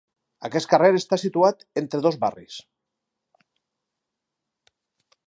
Aquest carrer està situat entre dos barris: